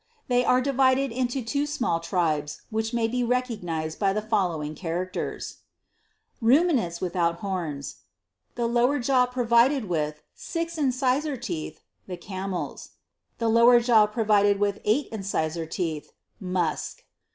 They are divided into two small tribes which may be recognised by the following characters : (Tribes.) RUMINANTS WITHOUT HORNS. \ Six incisor tedh .... CAMEL. The lower jaw provided with ) Eight incisor teeth . MUSK.